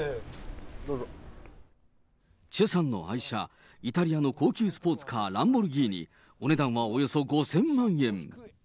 チェさんの愛車、イタリアの高級スポーツカー、ランボルギーニ、お値段はおよそ５０００万円。